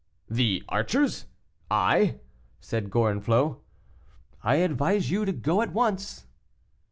"The archers, I!" said Gorenflot. "I advise you to go at once."